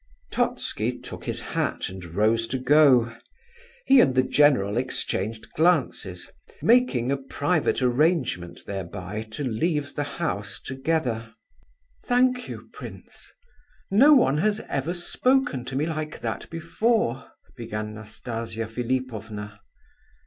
Totski took his hat and rose to go. He and the general exchanged glances, making a private arrangement, thereby, to leave the house together. "Thank you, prince; no one has ever spoken to me like that before," began Nastasia Philipovna.